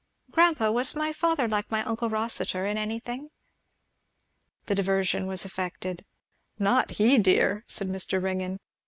"Grandpa, was my father like my uncle Rossitur in any thing?" The diversion was effected. "Not he, dear!" said Mr. Ringgan.